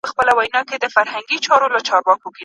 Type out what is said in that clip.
د غم او د ښادۍ کمبلي ورکي دي له خلکو